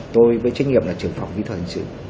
tôi với trách nhiệm là trưởng phòng kỹ thuật hình sự